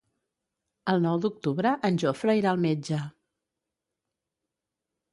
El nou d'octubre en Jofre irà al metge.